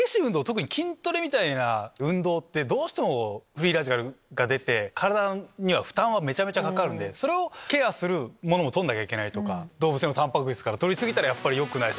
特に筋トレみたいな運動ってどうしてもフリーラジカルが出て体に負担はかかるんでそれをケアするものを取らなきゃいけないとか動物性のタンパク質から取り過ぎたらよくないし。